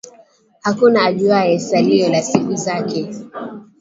Hakuna ajuaye, salio la siku zake.